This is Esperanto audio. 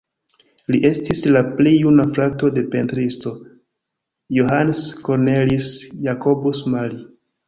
Li estis la pli juna frato de pentristo Johannes Cornelis Jacobus Mali.